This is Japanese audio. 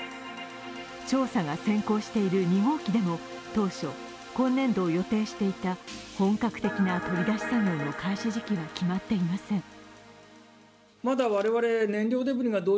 調査が先行している２号機でも当初、今年度を予定していた本格的な取り出し作業の開始時期は決まっていません。